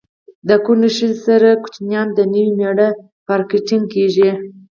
د کونډی خځی سره بچیان د نوي میړه پارکټیان کیږي